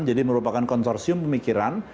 jadi merupakan konsorsium pemikiran